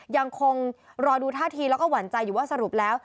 ยังคงรอดูท่าทีแล้วก็หวั่นใจอยู่ว่าสรุปแล้ว